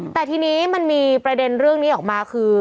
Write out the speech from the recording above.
แต่ทีนี้มันมีประเด็นเรื่องนี้ออกมาคือ